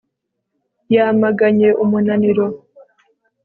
Yamaganye umunaniro